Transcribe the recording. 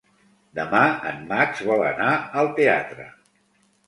Demà en Max vol anar al teatre.